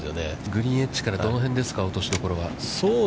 グリーンエッジからどの辺ですか、落としどころは。